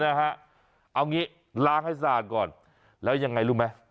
เอางี้ล้างให้สะอาดก่อนแล้วยังไงรู้ไหม